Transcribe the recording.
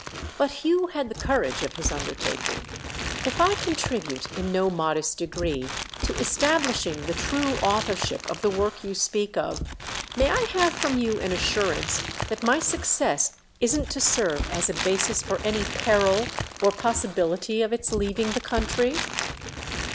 But Hugh had the courage of his undertaking. "If I contribute in ny modest degree to establishing the true authorship of the work you speak of, may I have from you an assurance that my success isn't to serve as a basis for any peril—or possibility—of its leaving the country?"